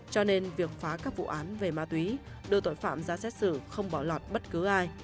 cho nên việc phá các vụ án về ma túy đưa tội phạm ra xét xử không bỏ lọt bất cứ ai